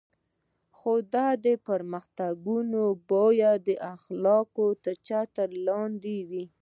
خو دا پرمختګونه باید د اخلاقو تر چتر لاندې وي.